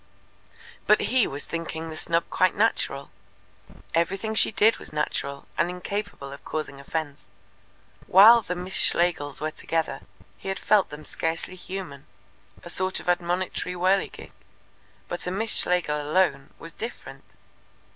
But he was thinking the snub quite natural. Everything she did was natural, and incapable of causing offence. While the Miss Schlegels were together he had felt them scarcely human a sort of admonitory whirligig. But a Miss Schlegel alone was different.